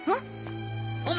お前